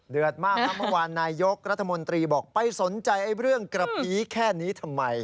มากครับเมื่อวานนายยกรัฐมนตรีบอกไปสนใจเรื่องกระพีแค่นี้ทำไม